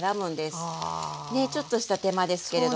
ねっちょっとした手間ですけれども。